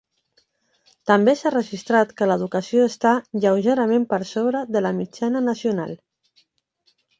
També s'ha registrat que l'educació està 'lleugerament per sobre de la mitjana nacional'.